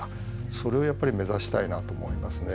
それをやっぱり目指したいなと思いますね。